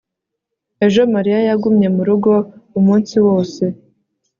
ejo mariya yagumye murugo umunsi wose